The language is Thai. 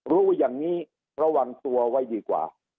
รู้อย่างนี้ระวังตัวไว้ดีกว่า